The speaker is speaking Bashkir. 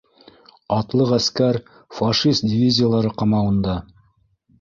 Атлы ғәскәр фашист дивизиялары ҡамауында.